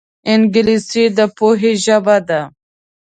انګلیسي د پوهې ژبه ده